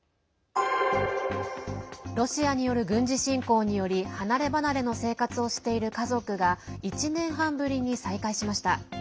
ロシアによる軍事侵攻により離れ離れの生活をしている家族が１年半ぶりに再会しました。